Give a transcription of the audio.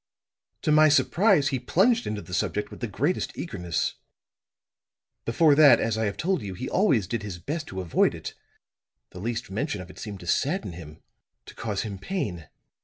"To my surprise he plunged into the subject with the greatest eagerness. Before that, as I have told you, he always did his best to avoid it; the least mention of it seemed to sadden him, to cause him pain.